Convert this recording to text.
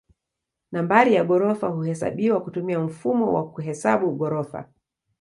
Nambari ya ghorofa huhesabiwa kutumia mfumo wa kuhesabu ghorofa.